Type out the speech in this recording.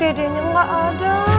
dedeknya gak ada